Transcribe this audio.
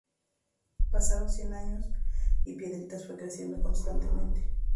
Pasaron cien años y Piedritas fue creciendo constantemente.